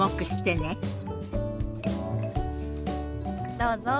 どうぞ。